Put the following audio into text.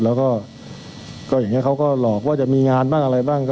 แล้วก็อย่างนี้เขาก็หลอกว่าจะมีงานบ้างอะไรบ้าง